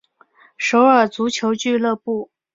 首尔足球俱乐部。